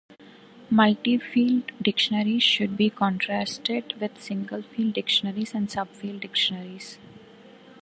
Multi-field dictionaries should be contrasted with single-field dictionaries and sub-field dictionaries.